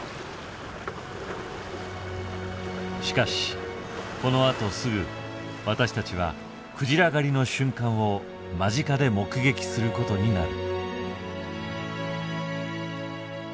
しかしこのあとすぐ私たちはクジラ狩りの瞬間を間近で目撃することになる。